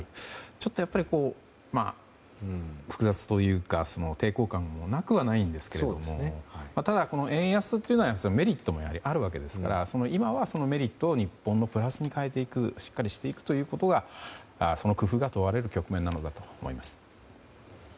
ちょっと複雑というか抵抗感もなくはないんですけどただ、円安というのはメリットもあるわけですから今はそのメリットを日本のプラスに変えていくしっかりしていくというその工夫が問われる局面なのだと思います。